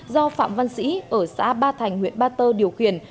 do phạm văn sĩ ở xã ba thành huyện ba tơ điều khiển